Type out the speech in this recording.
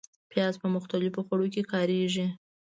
پیاز په مختلفو خوړو کې کارېږي